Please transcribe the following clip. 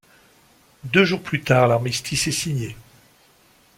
Deux jours plus tard, l'armistice est signé.